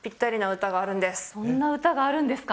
そんな歌があるんですか。